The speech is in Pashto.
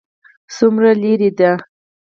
څومره لیرې دی؟